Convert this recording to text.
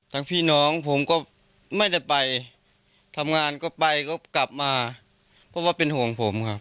พี่น้องผมก็ไม่ได้ไปทำงานก็ไปก็กลับมาเพราะว่าเป็นห่วงผมครับ